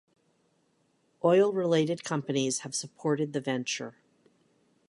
Oil related companies have supported the venture.